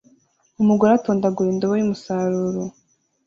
Umugore atondagura indobo yumusaruro